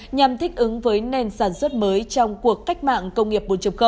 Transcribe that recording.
nhằm thích ứng với nền sản xuất mới trong cuộc cách mạng công nghiệp bốn